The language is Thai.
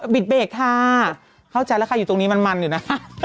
ปิดเบรกค่ะเข้าใจละใครอยู่ตรงนี้มันอยู่น่ะ